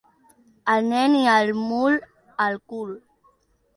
Al nen i al mul, al cul.